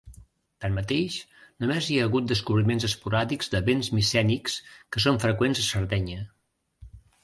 Tanmateix, només hi ha hagut descobriments esporàdics de béns micènics, que són freqüents a Sardenya.